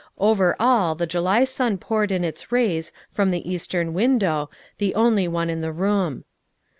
Over all the July sun poured in its rays from the eastern window, the only one in the room.